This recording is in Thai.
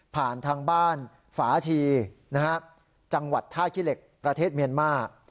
ผ่านทางบ้านฝาชีจังหวัดท่าขี้เหล็กประเทศเมียนมาร์